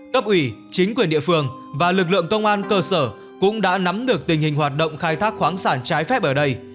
cấp ủy chính quyền địa phương và lực lượng công an cơ sở cũng đã nắm được tình hình hoạt động khai thác khoáng sản trái phép ở đây